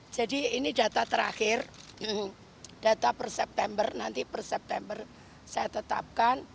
jadi ini data terakhir data per september nanti per september saya tetapkan